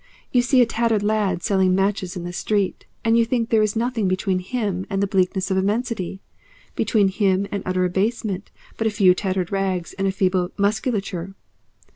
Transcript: You see a tattered lad selling matches in the street, and you think there is nothing between him and the bleakness of immensity, between him and utter abasement, but a few tattered rags and a feeble musculature.